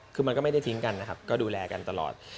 คือมันก็ไม่ได้ทิ้งกันนะครับก็ดูแลกันตลอด